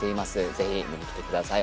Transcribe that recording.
ぜひ見にきてください